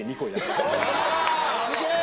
すげえ！